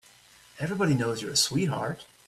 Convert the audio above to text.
Everybody knows you're a sweetheart.